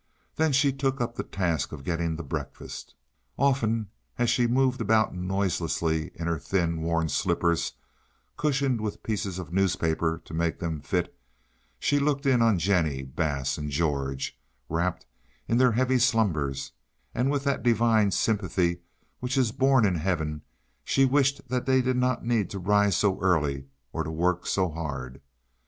Then she took up the task of getting the breakfast. Often as she moved about noiselessly in her thin, worn slippers, cushioned with pieces of newspaper to make them fit, she looked in on Jennie, Bass, and George, wrapped in their heavy slumbers, and with that divine sympathy which is born in heaven she wished that they did not need to rise so early or to work so hard.